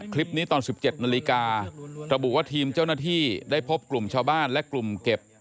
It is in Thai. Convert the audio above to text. คลิปตอน๑๗นาฬิการะบุว่าทีมเจ้าหน้าที่ได้พบกลุ่มชาวบ้านและกลุ่มเก็บ